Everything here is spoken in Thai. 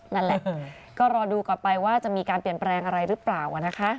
นั่นแหละก็รอดูต่อไปว่าจะมีการเปลี่ยนแปลงอะไรหรือเปล่านะคะ